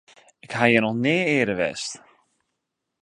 Ik ha hjir noch nea earder west.